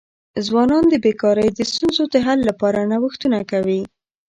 ځوانان د بېکاری د ستونزو د حل لپاره نوښتونه کوي.